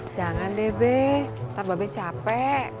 jangan deh be ntar mbak be capek